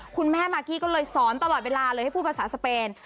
คุณแม่มากกี้ก็เลยสอนตลอดเวลาเลยให้พูดภาษาสเปน